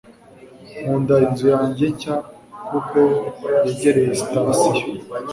nkunda inzu yanjye nshya kuko yegereye sitasiyo